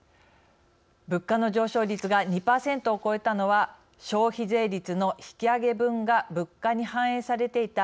物価の上昇率が２％を超えたのは消費税率の引き上げ分が物価に反映されていた